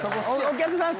お客さん